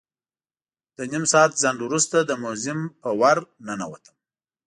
له نیم ساعت ځنډ وروسته د موزیم په ور ننوتم.